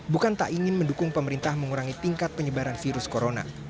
bukan tak ingin mendukung pemerintah mengurangi tingkat penyebabnya